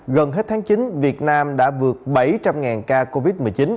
gần hết tháng chín việt nam đã vượt bảy trăm linh ca covid một mươi chín